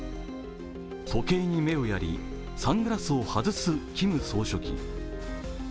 時計に目をやりサングラスを外すキム総書記。